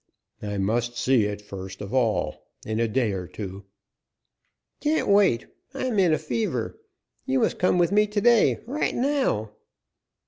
"I must see it first of all. In a day or two " "Can't wait. I am in a fever. You must come with me to day right now!"